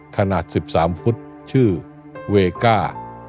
ขนาด๑๓ฟุตชื่อเวก้า